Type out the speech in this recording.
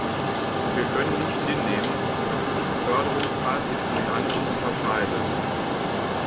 Und wir können nicht hinnehmen, dass diese Beförderungsart sich von den anderen unterscheidet.